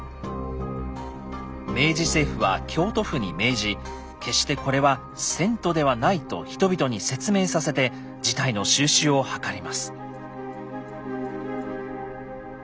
明治政府は京都府に命じ決してこれは遷都ではないと人々に説明させて事態の収拾を図ります。